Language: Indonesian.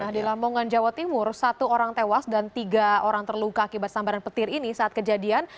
di lamongan jawa timur satu orang tewas dan tiga orang terluka akibat sambaran petir ini saat kejadian